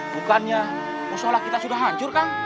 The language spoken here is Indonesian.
bukannya musola kita sudah hancur kang